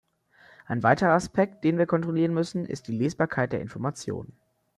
Ein weiterer Aspekt, den wir kontrollieren müssen, ist die Lesbarkeit der Informationen.